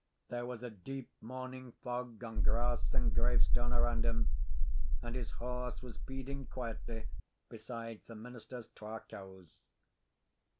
There was a deep morning fog on grass and gravestane around him, and his horse was feeding quietly beside the minister's twa cows.